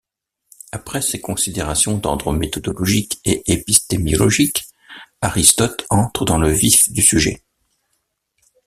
Après ces considérations d'ordre méthodologique et épistémologiques, Aristote entre dans le vif du sujet.